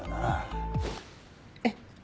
えっ。